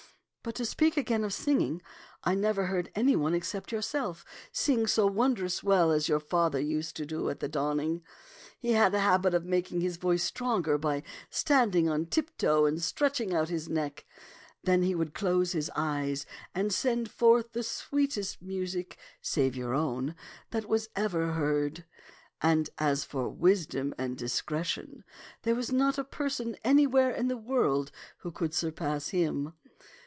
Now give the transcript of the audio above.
But to speak again of singing, I never heard any one except yourself sing so wondrous well as your father used to do at the dawning. He had a habit of making his voice stronger by standing on tip toe and stretching out his neck. Then he would close his eyes and send forth the sweetest music, save your own, that was ever heard ; and as for wisdom and dis cretion, there was not a person anywhere in the world who could surpass him.